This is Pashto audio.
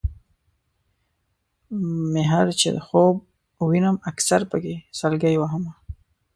مِهر چې خوب وینم اکثر پکې سلګۍ وهمه